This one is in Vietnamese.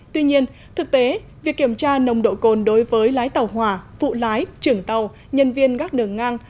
tuy nhiên thực tế việc kiểm tra nồng độ cồn đối với lái tàu hỏa phụ lái trưởng tàu nhân viên gác đường ngang